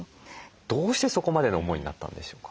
どうしてそこまでの思いになったんでしょうか？